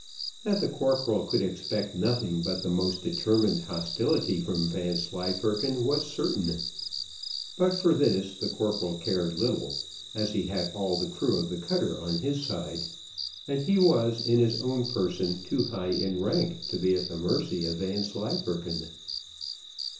That the corporal could expect nothing but the most determined hostility from Vanslyperken was certain; but for this the corporal cared little, as he had all the crew of the cutter on his side, and he was in his own person too high in rank to be at the mercy of Vanslyperken.